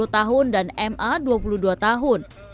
dua puluh tahun dan ma dua puluh dua tahun